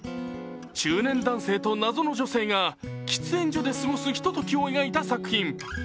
中年男性と謎の女性が喫煙所で過ごすひとときを描いた作品。